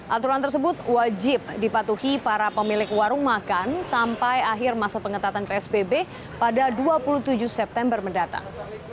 aturan tersebut wajib dipatuhi para pemilik warung makan sampai akhir masa pengetatan psbb pada dua puluh tujuh september mendatang